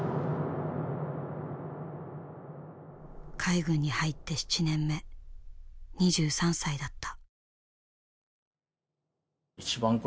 海軍に入って７年目２３歳だった。